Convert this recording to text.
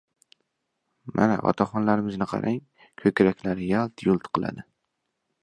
Mana, otaxonlarimizni qarang, ko‘kraklari yalt-yult qiladi!